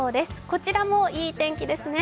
こちらもいい天気ですね。